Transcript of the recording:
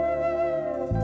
aku terlalu berharga